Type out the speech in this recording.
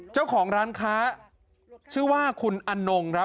เจ้าของร้านค้าชื่อว่าคุณอนงครับ